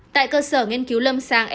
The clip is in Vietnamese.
tại cơ sở nghiên cứu lâm sàng